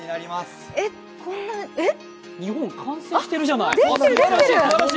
日本、完成してるじゃない、すごい。